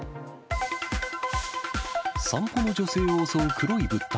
散歩の女性を襲う黒い物体。